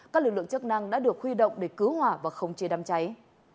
các lực lượng chức năng đã được huy động để cứu hỏa và khống chế đám cháy